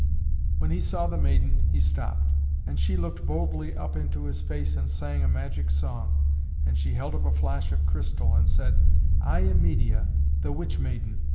When he saw the maiden he stopped. And she looked boldly up into his face and sang a magic song, and she held up a flash of crystal and said, "I am Medeia, the witch maiden.